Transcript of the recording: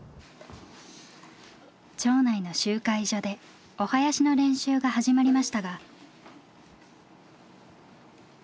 町内の集会所でお囃子の練習が始まりましたが。